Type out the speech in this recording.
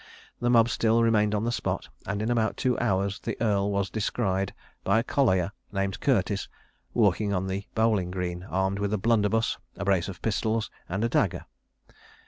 The mob still remained on the spot, and in about two hours the earl was descried by a collier, named Curtis, walking on the bowling green, armed with a blunderbuss, a brace of pistols, and a dagger.